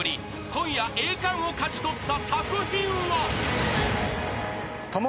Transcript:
［今夜栄冠を勝ち取った作品は］